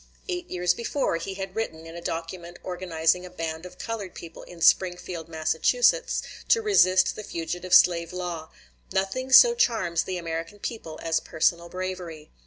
Eight years before, he had written, in a document organizing a band of colored people in Springfield, Massachusetts, to resist the fugitive slave law: "Nothing so charms the American people as personal bravery.